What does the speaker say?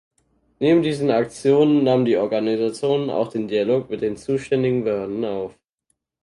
Neben diesen Aktionen nahm die Organisation auch den Dialog mit den zuständigen Behörden auf.